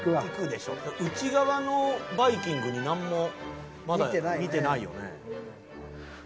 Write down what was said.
内側のバイキングになんもまだ見てないよね。